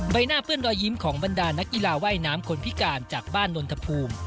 ใบหน้าเปื้อนรอยยิ้มของบรรดานักกีฬาว่ายน้ำคนพิการจากบ้านนนทภูมิ